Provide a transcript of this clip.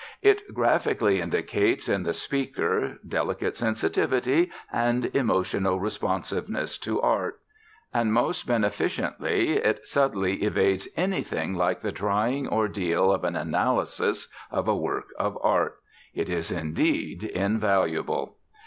It graphically indicates in the speaker delicate sensitivity and emotional responsiveness to Art. And, most beneficently, it subtly evades anything like the trying ordeal of an analysis of a work of art. It is, indeed, invaluable.